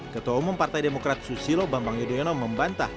ketua umum partai demokrat susilo bambang yudhoyono membantah